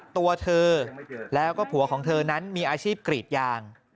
ตัวเธอแล้วก็ผัวของเธอนั้นมีอาชีพกรีดยาง